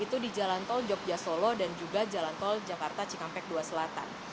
itu di jalan tol jogja solo dan juga jalan tol jakarta cikampek dua selatan